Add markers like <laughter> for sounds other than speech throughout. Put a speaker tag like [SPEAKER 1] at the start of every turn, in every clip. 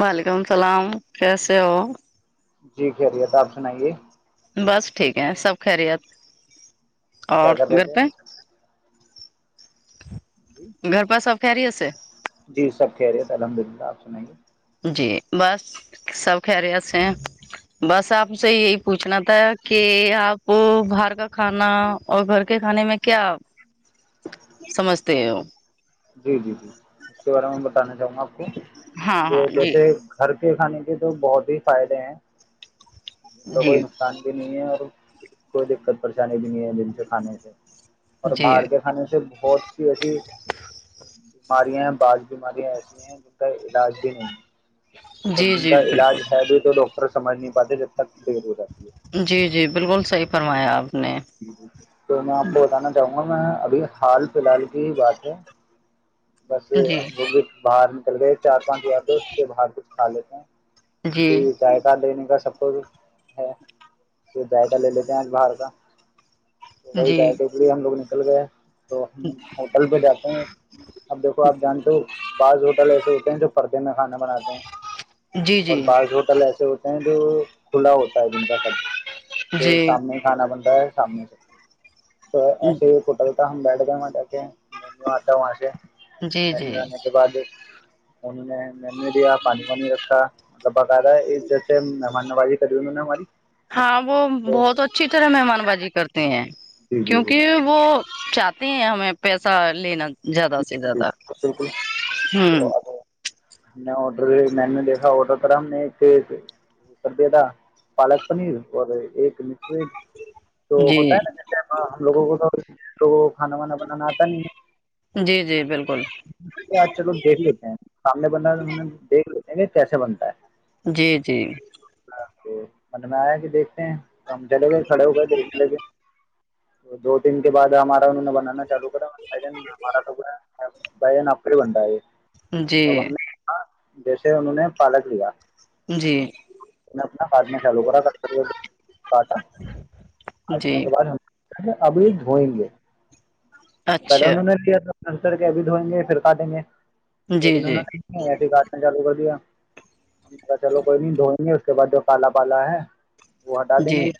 [SPEAKER 1] وعلیکم السلام کیسے ہو
[SPEAKER 2] جی خیریت آپ سنائیے
[SPEAKER 1] بس ٹھیک ہے سب خیریت
[SPEAKER 2] کیا
[SPEAKER 1] اور
[SPEAKER 2] کر رہے
[SPEAKER 1] گیر
[SPEAKER 2] تھے
[SPEAKER 1] پہ <unintelligible> ا <inaudible>
[SPEAKER 2] جی سب خیریت الحمدلہ آپ نہیںے <unintelligible>
[SPEAKER 1] جی بس سب خریت سے ہیں بس آپ سے یہی پوچھنا تھا کہ آپ باہر کا کھانا اور گھر کے کھانے میں کیا سمجھتے ہو
[SPEAKER 2] جی جی جی اس کے بارے میں بتانا چاہوں گا آپ
[SPEAKER 1] ہاں ہاں
[SPEAKER 2] کہ
[SPEAKER 1] جی
[SPEAKER 2] جیسے گھر کھانے کے تو بہت ہی فائدے ہیں ان کا کوئی
[SPEAKER 1] جی
[SPEAKER 2] نقصان بھی نہیں ہے اور کوئی دقت پریشانی جن سے کھانے سے اور
[SPEAKER 1] جی
[SPEAKER 2] باہر کے کھانے سے بہت سی ایسی
[SPEAKER 1] <inaudible>
[SPEAKER 2] بیماریاں ہیں بعض بیماریاں ایسی ہیں جو علاج بھی نہیں ہے م
[SPEAKER 1] جی
[SPEAKER 2] جن
[SPEAKER 1] جی
[SPEAKER 2] کا علاج
[SPEAKER 1] بالکل
[SPEAKER 2] ہے بھی تو ڈاکٹر سمجھ نہیں باتیں جب تک بےبود ہے
[SPEAKER 1] جی جی بالکل صحیح فرمایا آپ نے
[SPEAKER 2] <inaudible> ابھی حال فی الحال کی ہی بات ہے بس
[SPEAKER 1] جی
[SPEAKER 2] ہم لو بھی باہر چلے چار پانچ یاار دوست کے بھا کھیلے نہ
[SPEAKER 1] جی
[SPEAKER 2] کو جائد لینے کا سب اور ہے پھر ذائقہ لے لیتے ہیں آج باہر کا تو وہی
[SPEAKER 1] جی
[SPEAKER 2] جائے کہ بی ہم لوگ نے <inaudible> تو ہم ہوٹل پہ جاتے ہیں اب دیکھو آپ جانتے ہو بعض ہوٹل ایسے ہوتے ہیں جو پردے میں کھانا بناتے ہیں
[SPEAKER 1] جی
[SPEAKER 2] اور
[SPEAKER 1] جی
[SPEAKER 2] بعض ہوٹل ایسے ہوتے ہیں جو کھلا ہوتا دن کا سب پھر
[SPEAKER 1] جی
[SPEAKER 2] شامنے کھانا بنند ہے سامنے سے تو ایے کوٹ ہم بیٹھ گ وہاں ج کے میں آتا وہاں سے
[SPEAKER 1] جی
[SPEAKER 2] بھنے
[SPEAKER 1] جی
[SPEAKER 2] آنے کے بعد انہوں نے مینیو دیا پانی وانی رکھا بغاا یہ جیسے مان بجی <inaudible>
[SPEAKER 1] ہاں وہ بہت اچھی طرح مہمان بی کرتے ہیں
[SPEAKER 2] جی جی
[SPEAKER 1] کیکہ وہ چ ہیں ہمیں پیسہ لینا زیادہ سے
[SPEAKER 2] جی
[SPEAKER 1] زیادہ
[SPEAKER 2] بالکل
[SPEAKER 1] ہوں
[SPEAKER 2] تو اب ہم نے آڈر مینو دیکھا آڈر کرا ہم نے ایک وہ کر دیا تھا پالک پنیر اور ایک س تو
[SPEAKER 1] جی
[SPEAKER 2] ہوتا ہے نا جیسے ہم لوگوں کو تو تو کھانا وانا بنانا آتا نہیں
[SPEAKER 1] جی جی بالکل
[SPEAKER 2] بندہ نے دیک نہیں کیسے بنتا ہے
[SPEAKER 1] جی جی
[SPEAKER 2] تو من میں آیا کہ دیکھتے ہیں ہم چلے گئے کھڑے ہو گئے دیکھنے ل گئے دو دن کے بعد ہمارا انہوں نے بنانا لوگ بھ جن مارا لوگ ہے بج ن اپری بنڈائے
[SPEAKER 1] جی
[SPEAKER 2] <inaudible> جیسے انہوں نے پالک لیا
[SPEAKER 1] جی
[SPEAKER 2] اپنا کاٹنا چالو کراٹاٹنے
[SPEAKER 1] جی
[SPEAKER 2] کے بعد ابھی دھوئیں گے پہلے
[SPEAKER 1] اچھا
[SPEAKER 2] انہوں نے کیا تھا انسر کے ابھی دھویں گے پھر کاٹیں گے
[SPEAKER 1] جی
[SPEAKER 2] اتن
[SPEAKER 1] جی
[SPEAKER 2] نہ ایسے کارشن چالو کر دیا چلو کوئی نہیں دھوئیں گے اس کے بعد جو کالا پالا ہے وہ ہٹا دیں
[SPEAKER 1] جی
[SPEAKER 2] گے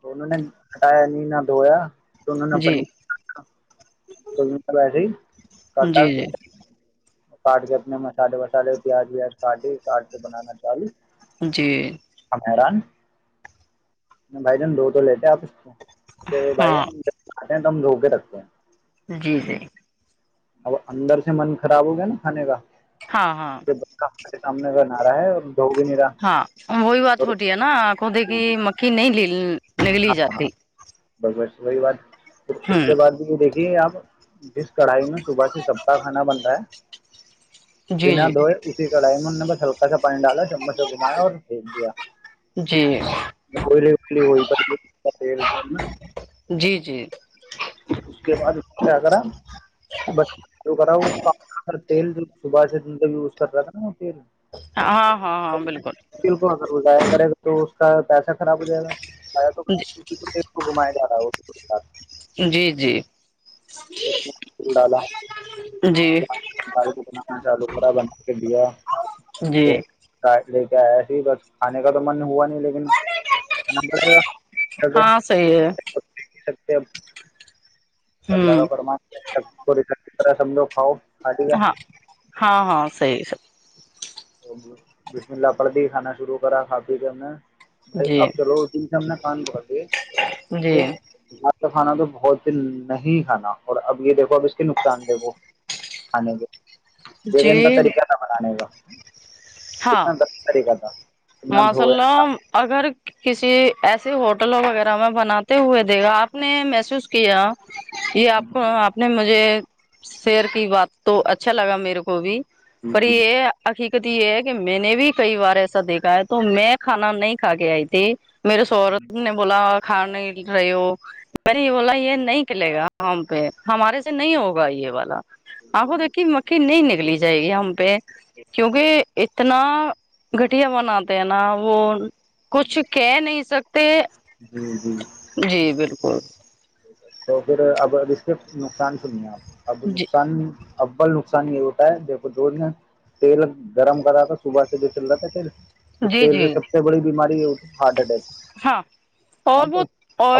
[SPEAKER 2] تو انہوں نے ہٹایا نہیں نا دویا دوں نے اپ
[SPEAKER 1] جی
[SPEAKER 2] ویسے ہی کرتا
[SPEAKER 1] جی جی
[SPEAKER 2] کاٹ کے اپنے مسالے وسالے پیاز ویاز کاٹی چار سے بنانا چالو
[SPEAKER 1] جی
[SPEAKER 2] ہ میران بھائی جان دو تو لیتے آپ اچا تو بھائی
[SPEAKER 1] ہاں
[SPEAKER 2] دھو کے رکھتے ہیں
[SPEAKER 1] جی جی
[SPEAKER 2] اب اندر سے من خراب ہو گیا نا کھانے کا
[SPEAKER 1] ہاں ہاں
[SPEAKER 2] کہ بچہ ہمارے سامنے کا نہا رہا ہے اور دھو بھی نہیں رہا
[SPEAKER 1] ہاں وہی بات
[SPEAKER 2] اور
[SPEAKER 1] چھوٹی ہے نا کوتے کہ مکھی نہیں لل نگلی
[SPEAKER 2] ہاں
[SPEAKER 1] جاتی
[SPEAKER 2] بس بس وہی بات پھر اس
[SPEAKER 1] ہوں
[SPEAKER 2] کے بعد بھی دیک یہ آب جس کڑھائی میں صبح سے سب کاہ کھانا بن رہا ہے
[SPEAKER 1] جی
[SPEAKER 2] بنا
[SPEAKER 1] جی
[SPEAKER 2] دھوئے اسی کڑھائی م ہلکا س پانی ڈالا چم سے گھمایا اور بھیج دیا
[SPEAKER 1] جی
[SPEAKER 2] گئلی الی وہی یر د میں
[SPEAKER 1] جی جی
[SPEAKER 2] اس کے بعد اس کرا ب جو کرا وہ تیل جو صبح سے دن کا یوز کر رہا تھا نا وہ تیل
[SPEAKER 1] ہاں ہاں ہاں بالکل
[SPEAKER 2] بالک اگر وہ جایا کرے گا تو س پ خراب ہو جا تو ک کو گھمیا جا رہا ہے
[SPEAKER 1] جی جی
[SPEAKER 2] ہو <inaudible>
[SPEAKER 1] جی
[SPEAKER 2] ال کو بنانا چاہ لا بنا کے دیا
[SPEAKER 1] جی
[SPEAKER 2] لیک ایسے ہی بچ کھے کا تو من ہوا نہیں لیکنا پڑے گا
[SPEAKER 1] ہاں صحیح ہے
[SPEAKER 2] اب اللہ کا
[SPEAKER 1] ہوں
[SPEAKER 2] فمانبک طرح سمجھو کاؤ
[SPEAKER 1] ہاں ہاں ہاں سی سب
[SPEAKER 2] تو بسم اللہ پڑ دی کانا شروع کرا کھا پی کر نے بھائی
[SPEAKER 1] جی
[SPEAKER 2] اب چلو اسی سام نے پان پر
[SPEAKER 1] جی
[SPEAKER 2] کا کھانا تو بہت دن نہیں کھانا اور اب یہ دیکھو ب اس کے نقصان دے وہ <inaudible> ایک دن کا
[SPEAKER 1] جی
[SPEAKER 2] طریقہ تھا بنانے کا
[SPEAKER 1] ہاں
[SPEAKER 2] کتنا غلط طریقہ تھا اتنا
[SPEAKER 1] ماشاء
[SPEAKER 2] دھویا
[SPEAKER 1] اللہ اگر کسی ایسے ہوٹل وغیرہ میں بناتے ہوئے دے گا آپ نے محسوس کیا یہ آپ کو آپ نے مجھے شیر کی بات تو اچھا لگا میرے کو بھی
[SPEAKER 2] جی
[SPEAKER 1] پر یہ عقیقتی یہ میں نے بھی کئی بار ایسا دیکھا ہے تو میں کھانا نہیں کھا کے آئی تھی میرے سہرب نے بولا کھا نہیں رہی ہو مری یہ والا یہ نہیں کلے گا ہم پہ ہمارے سے نہیں ہوگا یہ والا آو
[SPEAKER 2] جی
[SPEAKER 1] دیکی مکھی نہیں نکلی جائے گی پہ کیونکہ اتنا گھٹیا بناتے ہیں نا وہ کچھ کہہ نہیں سکتے
[SPEAKER 2] جی جی
[SPEAKER 1] جی بالکل
[SPEAKER 2] تو پھر اب اب اس کے نقصان سنیے آپ اب
[SPEAKER 1] جی
[SPEAKER 2] نقصان ابل نان آانی ہوتا ہے د تیل گرم کر رہا تھا صبح سے جو چل رہا ہے پھر اس
[SPEAKER 1] جی
[SPEAKER 2] تیل سے
[SPEAKER 1] جی
[SPEAKER 2] سب سے بڑی بیماری ہے ہارٹ اٹیک
[SPEAKER 1] ہاں اور
[SPEAKER 2] مانتے
[SPEAKER 1] وہ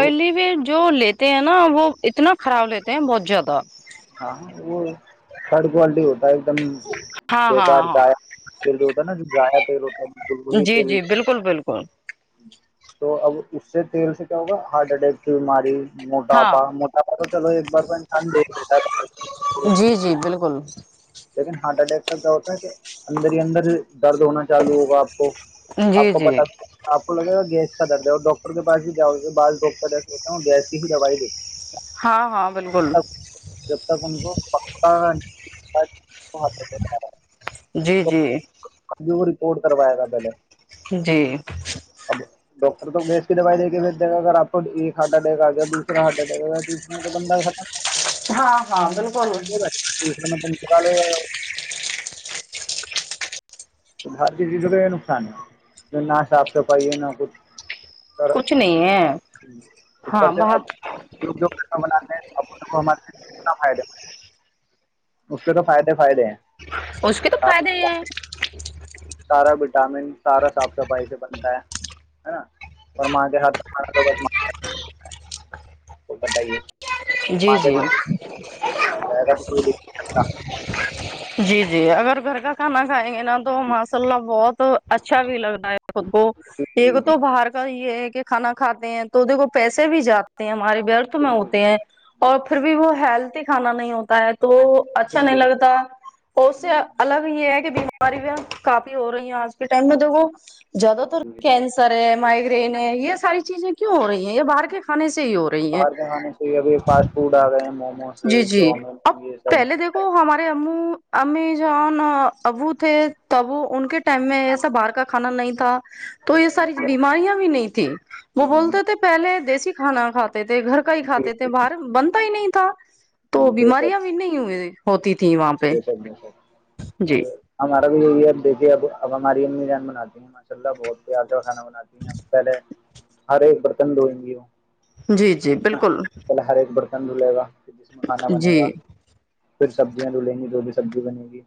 [SPEAKER 2] اب
[SPEAKER 1] بھی جو لی ہیں نا وہ اتنا خراب لیتے ہیں بہت زیادہ
[SPEAKER 2] ہاں ہاں وہ تھرڈ کوالٹی ہوتا ہے ایک دم
[SPEAKER 1] ہاں ہاں
[SPEAKER 2] بیکار
[SPEAKER 1] ہاں
[SPEAKER 2] جضایا تیل جو ہوتا ہے نا جضایا تیل ہوتا ہے بالکل وہی
[SPEAKER 1] جی
[SPEAKER 2] تیل
[SPEAKER 1] جی بالکل بالکل
[SPEAKER 2] تو اب اس سے تیل سے کیا ہوگا ہارٹ اٹیک کی بیماری مٹا
[SPEAKER 1] ہاں
[SPEAKER 2] پا موٹا پاس تو تو ایک بار پ چھان د م
[SPEAKER 1] جی جی بالکل
[SPEAKER 2] لیکن ہارٹ اٹیک کا کیا ہوتا ہے کہ اندر ہی اندر درد ہونا چالو ہوگا آپ
[SPEAKER 1] جی
[SPEAKER 2] کو
[SPEAKER 1] جی
[SPEAKER 2] پتپ لگے گا گیس کا درد ہے اور ڈاکٹر کے پس بھی جاؤ بعس ڈاکٹر جس ہوتا ہیں وہ گیس کی ہی دوائی دیتے
[SPEAKER 1] ہاں ہاں بالکل
[SPEAKER 2] ہیں جب تک ان کو پکا ب ب ایسے کر رہا ہے
[SPEAKER 1] جی جی
[SPEAKER 2] جو رپورٹ کروائے گا پہلے
[SPEAKER 1] جی
[SPEAKER 2] اب ڈاکٹر تو گیس کی دوائی دے کے بھیج د گا اگر آپ کو ایک ہارٹ اٹیک آ گیا دوسرا ہارٹ اٹیک آ گیا تو اس میں تو بندہ خراب
[SPEAKER 1] ہاں ہاں بالکل
[SPEAKER 2] یہناالو تو بھارتی چیزوں کا یہ نقصان ہے جو نہ صاف صفائی ہے نہ کچھ س
[SPEAKER 1] کچھ نہیں ہے
[SPEAKER 2] اپر
[SPEAKER 1] ہاں
[SPEAKER 2] سے اب
[SPEAKER 1] بہت
[SPEAKER 2] کامنا ہے اب تو کو مارک کتنا فائدا اس کے تو فائدے فائدے ہیں
[SPEAKER 1] اس کے تو
[SPEAKER 2] ا
[SPEAKER 1] فائدے ہی
[SPEAKER 2] سارا
[SPEAKER 1] ہیں
[SPEAKER 2] بچا وٹامن سارا صاف صفائی سے بنتا ہے نا اور ماں کے ہاتھکانا تو بس ماںات وہ بتائیے
[SPEAKER 1] جی
[SPEAKER 2] کے
[SPEAKER 1] جی
[SPEAKER 2] زیادہ تو کوئی دیکھ نہیں سکتا
[SPEAKER 1] جی جی اگر گھر کا کھانا کھائیں گے نا تو
[SPEAKER 2] جی
[SPEAKER 1] ماشاء اللہ بہت اچھا بھی لگتا ہے خود کو ایک
[SPEAKER 2] جی جی جی
[SPEAKER 1] تو باہر کا یہ ہے کھانا کاتے ہیں تو کو پیسے بھی جاتے ہیں ہمارے ورتھ میں
[SPEAKER 2] بالکل
[SPEAKER 1] ہوتے ہیں اور پھر بھی وہ ہیل کھانا نہیں ہوتا ہے تو اچھا نہیں
[SPEAKER 2] بالکل
[SPEAKER 1] لگتا اور اس سے الگ یہ ہے کہ ب ہماری بھی کافی ہو رہی ہیں آج ٹائم میں تو وہ
[SPEAKER 2] ہاں
[SPEAKER 1] زیادہ تر
[SPEAKER 2] جی
[SPEAKER 1] کینسر ہے مائگرین ہے یہ ساری چیزیں کیوں ہو رہی ہیں یہ باہر کے کھانے سے ہی ہو رہی ہیں
[SPEAKER 2] بھی فاسٹ فوڈ آ گئے ہیں موم
[SPEAKER 1] جی جی اب پہلے دیکھو ہمارے امی جان ابو تھے تب وہ ان کے ٹائم میں ایسا باہر کا کھانا نہیں تھا تو یہ ساری بیماریاں بھی نہیں تیں وہ
[SPEAKER 2] جی جی
[SPEAKER 1] بولتے تھے پہلے دیسی ک کانا کت تھے گھر کا ہی
[SPEAKER 2] جی
[SPEAKER 1] کاتے تھے باہر
[SPEAKER 2] جی،
[SPEAKER 1] بنتا ہی نہیں تو تو بیماریا بھی نہیں ہوئے ہوتی تھیں وہاں
[SPEAKER 2] د
[SPEAKER 1] پہ
[SPEAKER 2] سک د سک
[SPEAKER 1] جی
[SPEAKER 2] ہمارا بھی ایریا دیکھ اب ہماری جان مناتی ہیں ماشاء اللہ بہت پیار کھانا بناتی ہیں ا پہلے ہرے برتن دھوئیں گے وہ
[SPEAKER 1] جی جی بالکل
[SPEAKER 2] چنڈ لے گا جس میں کھانا بنے
[SPEAKER 1] جی
[SPEAKER 2] گا پھر سبزیا دولیا جو بھی سبزی بنے گی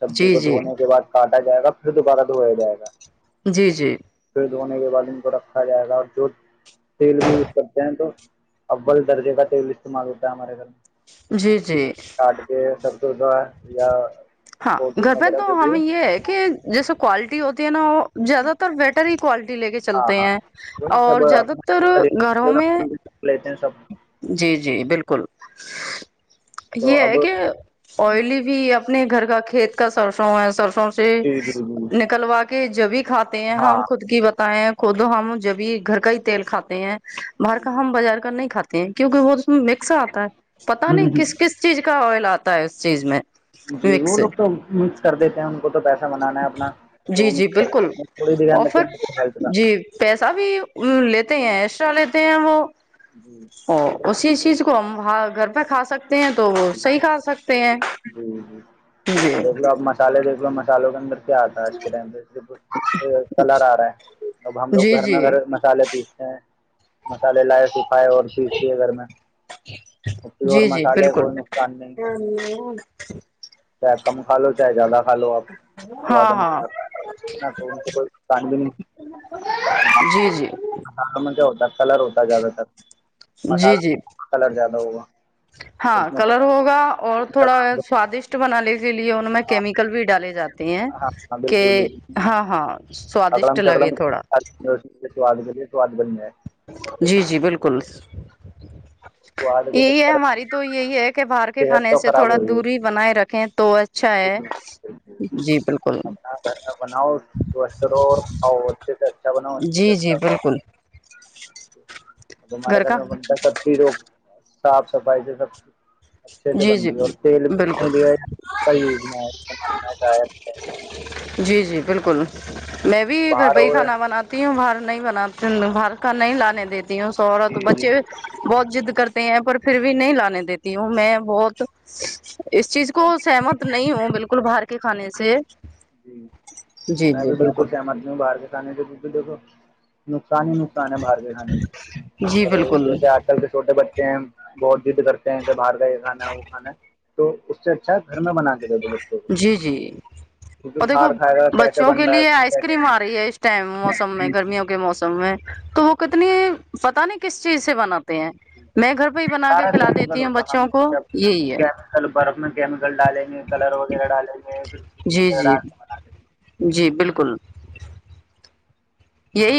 [SPEAKER 2] سبزی
[SPEAKER 1] جی
[SPEAKER 2] کو
[SPEAKER 1] جی
[SPEAKER 2] دھونے کے بعد کاٹا جائے گا پھر دوبارہ دوایا جائے گا
[SPEAKER 1] جی جی
[SPEAKER 2] پھر دھونے کے بعد ان کو رکھا جائے گا اور جو تیل بھی یوز کرتے ہیں تو اول درجے کا تیل استعمال ہوتا ہے ہمارے گھر میں نا
[SPEAKER 1] جی جی
[SPEAKER 2] کاٹ کے سب دور دوار یا
[SPEAKER 1] ہاں گھر
[SPEAKER 2] فورچون
[SPEAKER 1] پہ
[SPEAKER 2] وغیرہ
[SPEAKER 1] تو
[SPEAKER 2] جو بھی ہو
[SPEAKER 1] ہمیں یہ ہے کہ جیسے کوالٹی ہوتی ہے نا وہ زیادہ تر بیٹری لے کے
[SPEAKER 2] ہاں
[SPEAKER 1] چلتے
[SPEAKER 2] ہاں
[SPEAKER 1] ہیں
[SPEAKER 2] وہ
[SPEAKER 1] اور
[SPEAKER 2] سب
[SPEAKER 1] زیادہ تر گھروں میں
[SPEAKER 2] لیتے ہیں سب
[SPEAKER 1] جی جی بالکل <inaudible>
[SPEAKER 2] تو
[SPEAKER 1] یہ
[SPEAKER 2] اب
[SPEAKER 1] ہے کہ آئلی بھی آ اپنے گھر کا کھیت کا سرسوں ہے سرسوں سے
[SPEAKER 2] جی جی جی
[SPEAKER 1] نکلوا کے جبھی کھاتے ہیں
[SPEAKER 2] ہاں
[SPEAKER 1] ہم خود کی بتائے ہیں خود ہم جبھی گھر کا ہی تیل کھاتے ہیں باہر کا ہم
[SPEAKER 2] جی
[SPEAKER 1] بازار کر نہیں کاتے کیونکہ وہہت مکس آتا ہے پتا نہیں
[SPEAKER 2] جی
[SPEAKER 1] کس کس چیز کا آئل آتا ہے اس چیز میں
[SPEAKER 2] جی وہ
[SPEAKER 1] مکس
[SPEAKER 2] لوگ تو مکس کر دیتے ہیں ان کو تو پیسہ بنانا ہے اپنا تو
[SPEAKER 1] جی
[SPEAKER 2] وہ
[SPEAKER 1] جی
[SPEAKER 2] مس کر
[SPEAKER 1] بالکل
[SPEAKER 2] تھوڑیھیان رکھیں
[SPEAKER 1] آفر
[SPEAKER 2] ہیل کا
[SPEAKER 1] جی پیسہ بھی لیتے ہیں ایکسٹرا لیتے ہیں وہ
[SPEAKER 2] جی
[SPEAKER 1] ہاں اسی چیز کو ہم گھر پہ کھا سکتے ہیں تو وہ صحیح کھا سکتے سے
[SPEAKER 2] جی جی اب دیکھ لو اب مسالے دیکھ لو مسالوں کے اندر کیا آتا ہے آج کے ٹائم پ صرف کلر آ رہا ہے اب ہم لوگ
[SPEAKER 1] جی
[SPEAKER 2] گھر میں
[SPEAKER 1] جی
[SPEAKER 2] اھر مسالے پیستے ہیں مسالے لائے سکھائے اور پیس لیے گھر میں پیور
[SPEAKER 1] جی جی
[SPEAKER 2] مسالحے
[SPEAKER 1] بالکل
[SPEAKER 2] کوئی نقصان نہیں
[SPEAKER 1] <inaudible>
[SPEAKER 2] <inaudible> <inaudible> ک لو آپدا
[SPEAKER 1] ہاں ہاں
[SPEAKER 2] تو ان سے کوئیان بھی نہیں
[SPEAKER 1] جی جی
[SPEAKER 2] میں کیا ہوتا کلر ہوتا ہے زیادہ تر
[SPEAKER 1] جی جی
[SPEAKER 2] مسالہ کلر زیادہ ہوگا
[SPEAKER 1] ہاں کلر ہوگا اور تھوڑا سوادشٹ بناال کے لیے ان میں کیمیکل بھی ڈالے جاتے ہیں
[SPEAKER 2] ہاں
[SPEAKER 1] کہ
[SPEAKER 2] بالکل بالکل
[SPEAKER 1] ہاں ہاں سوادشٹ
[SPEAKER 2] اکڑم
[SPEAKER 1] لگے
[SPEAKER 2] چکڑم
[SPEAKER 1] تھوڑا
[SPEAKER 2] سواد بے سواد بنیا ہے
[SPEAKER 1] جی جی بالکل
[SPEAKER 2] سواد کے
[SPEAKER 1] یہی ہے
[SPEAKER 2] چکر
[SPEAKER 1] ہماری تو یہی ہے کہ باہر کے
[SPEAKER 2] صحت
[SPEAKER 1] کھانے
[SPEAKER 2] تو
[SPEAKER 1] سے
[SPEAKER 2] خراب
[SPEAKER 1] تھوڑا
[SPEAKER 2] ہو رہی ہے
[SPEAKER 1] دوری بنائے رکھیں تو <unintelligible> جی بالکل
[SPEAKER 2] اپنا گھر کا بناؤ سوستھ رہو اور کھاؤ اچھے سے اچھا بناؤ اچھے سے
[SPEAKER 1] جی جی
[SPEAKER 2] اچھا کھاؤ
[SPEAKER 1] بالکل
[SPEAKER 2] ج <unintelligible> تو ہمارے گھر میں بنتا سب چیز روگ صاف صفائی سے سب اچھے سے
[SPEAKER 1] جی
[SPEAKER 2] بن
[SPEAKER 1] جی
[SPEAKER 2] گی اور تیل بھی ات
[SPEAKER 1] بالکل
[SPEAKER 2] نہیں لے گ کا وجنا ہے کیا ماننا کا ہے
[SPEAKER 1] جی جی
[SPEAKER 2] <unintelligible>
[SPEAKER 1] بالکل میں بھی گھر
[SPEAKER 2] باہر
[SPEAKER 1] پہ
[SPEAKER 2] ہو
[SPEAKER 1] ہی کھانا بناتی ہوں باہر نہیں بناتے ہلکا نہیں لانے دیتے تی ہ سہرا تو
[SPEAKER 2] جی جی
[SPEAKER 1] بچے بہت جد کرتے ہیں پر پھر بھی نہیں لانے دیتی ہوں میں اچ <unintelligible> اس چیز کو سہمت نہیں ہو بالکل باہر کے کھانے سے
[SPEAKER 2] جی
[SPEAKER 1] جی
[SPEAKER 2] میں
[SPEAKER 1] جی
[SPEAKER 2] بھی بالکل سہمت نہی ہوں باہر کے کھانے سے بالکل دیکھو نقصان ہی نقصان ہے باہر کے کھانے سے
[SPEAKER 1] جی
[SPEAKER 2] اور
[SPEAKER 1] بالکل
[SPEAKER 2] جیسے آج کل کے چھوٹے بچے بہت کرتے ہیں کہ باہر کا یہ کھا ہے وہ کھا تو اس سے اچھا گھر میں بنانا
[SPEAKER 1] جی
[SPEAKER 2] بار کھائے گا کیسے
[SPEAKER 1] شو کے
[SPEAKER 2] بن رہا ہے
[SPEAKER 1] لیے آئس
[SPEAKER 2] کیسے
[SPEAKER 1] کریم آ
[SPEAKER 2] نہیں
[SPEAKER 1] رہی ہے اس ٹائم موسم میں گرمیوں کے موسم س میں تو وہ کتنی پتا نہیں کس چیز سے بنااتا
[SPEAKER 2] ج ج ج سارا کیمیکل
[SPEAKER 1] دیتی ہوں
[SPEAKER 2] ہوتا
[SPEAKER 1] بچوں
[SPEAKER 2] نے
[SPEAKER 1] کو یہی ہے
[SPEAKER 2] کیمیکل برف میں کیمیکل ڈالے کلر وغیرہ ڈالیں گے
[SPEAKER 1] جی
[SPEAKER 2] وغیرہ
[SPEAKER 1] جی
[SPEAKER 2] ڈالتے بے
[SPEAKER 1] جی بالکل یہی